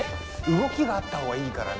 動きがあった方がいいからな。